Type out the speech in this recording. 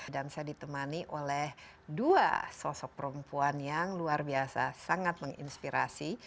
dan saya ditemani oleh dua sosok perempuan yang luar biasa sangat menginspirasi